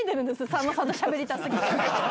さんまさんとしゃべりた過ぎて。